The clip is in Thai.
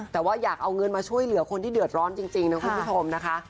แต่ว่าอยากเอาเงินมาช่วยเหลือคนที่เดือดร้อนจริงนะคุณผู้ชมนะคะ